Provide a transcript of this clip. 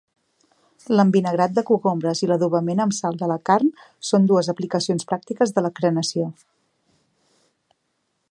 L'envinagrat de cogombres i l'adobament amb sal de la carn són dues aplicacions pràctiques de la crenació.